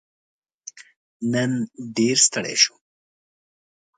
نن ډېر ستړی شوم.